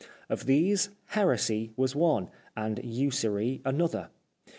Of these heresy was one, and usury another.